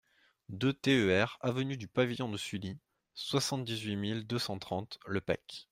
deux TER avenue du Pavillon de Sully, soixante-dix-huit mille deux cent trente Le Pecq